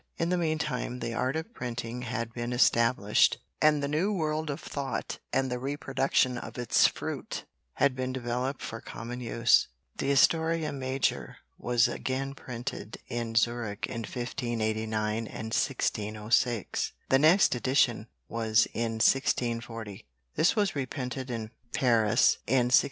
In the meantime the art of printing had been established and the new world of thought and the reproduction of its fruit, had been developed for common use. The Historia Major was again printed in Zurich in 1589 and 1606. The next English edition was in 1640. This was reprinted in Paris in 1644.